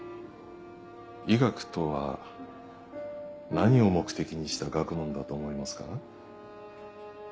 医学とは何を目的にした学問だと思いますか？